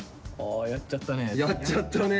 あやっちゃったね。